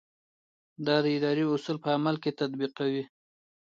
دا د ادارې اصول په عمل کې تطبیقوي.